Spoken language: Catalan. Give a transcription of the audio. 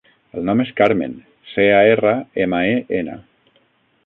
El nom és Carmen: ce, a, erra, ema, e, ena.